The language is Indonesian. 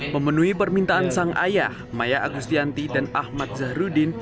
memenuhi permintaan sang ayah maya agustianti dan ahmad zahrudin